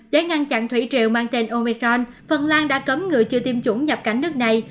để ngăn chặn thủy triều mang tên omecron phần lan đã cấm người chưa tiêm chủng nhập cảnh nước này